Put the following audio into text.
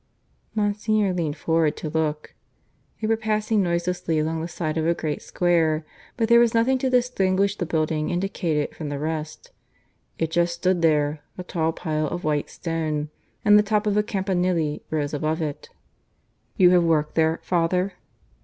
Monsignor leaned forward to look. They were passing noiselessly along the side of a great square; but there was nothing to distinguish the building indicated from the rest. It just stood there, a tall pile of white stone; and the top of a campanile rose above it. "You have worked there, Father?"